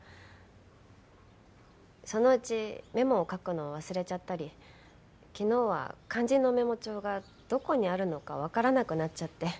そのうちメモを書くのを忘れちゃったり昨日は肝心のメモ帳がどこにあるのかわからなくなっちゃって。